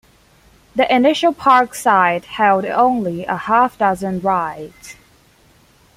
The initial park site held only a half-dozen rides.